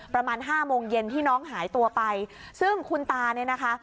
ประมาณห้าโมงเย็นที่น้องหายตัวไปซึ่งคุณตาเนี่ยนะคะ